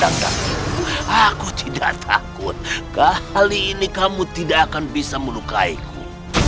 aku tidak takut kali ini kamu tidak akan bisa menukaiku